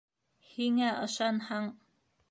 Һиңә ышанһаң...